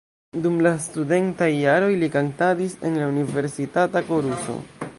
Dum la studentaj jaroj li kantadis en la universitata koruso.